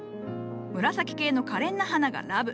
紫系のかれんな花がＬｏｖｅ。